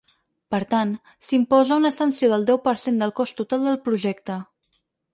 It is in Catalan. Per tant, s’imposa una sanció del deu per cent del cost total del projecte.